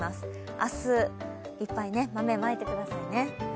明日、いっぱい豆まいてくださいね。